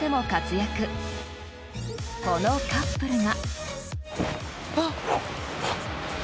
［このカップルが］